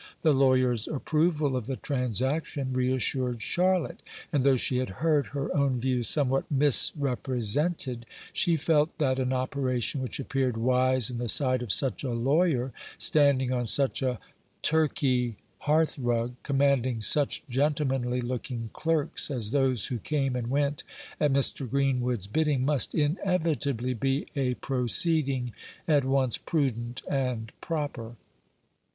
The lawyer's approval of the transaction reassured Charlotte; and though she had heard her own views somewhat misrepresented, she felt that an operation which appeared wise in the sight of such a lawyer, standing on such a Turkey hearthrug, commanding such gentlemanly looking clerks as those who came and went at Mr. Greenwood's bidding, must inevitably be a proceeding at once prudent and proper.